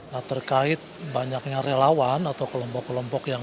nah terkait banyaknya relawan atau kelompok kelompok yang